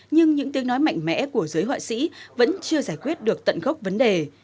nhưng những tiếng nói mạnh mẽ của giới họa sĩ vẫn chưa giải quyết được tận gốc vấn đề